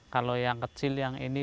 kalau yang kecil yang ini